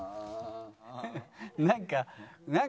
なんか。